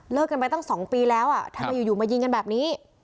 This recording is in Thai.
เลิกกันไปตั้งสองปีแล้วอ่ะทำไมอยู่มายิงกันแบบนี้